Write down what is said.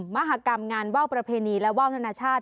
มหากรรมงานว่าวประเพณีและว่าวธนาชาติ